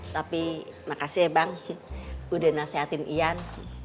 tapi makasih ya bang udah nasehatin ian